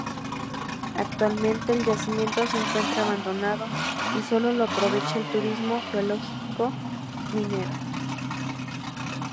Actualmente el yacimiento se encuentra abandonado y sólo lo aprovecha el turismo geológico minero.